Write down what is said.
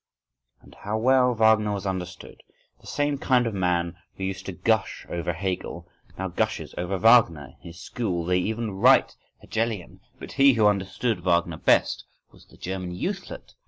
— And how well Wagner was understood!—The same kind of man who used to gush over Hegel, now gushes over Wagner, in his school they even write Hegelian.(11) But he who understood Wagner best, was the German youthlet.